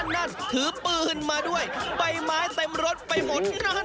นั่นถือปืนมาด้วยใบไม้เต็มรถไปหมด